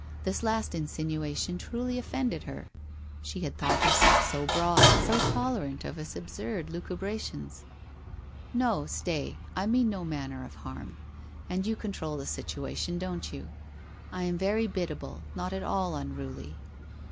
This last insinuation truly offended her. She had thought herself so broad, so tolerant of his absurd lucubrations. ' No, stay. I mean no manner of harm. And you control the situation, don't you? I am very biddable — not at all unruly?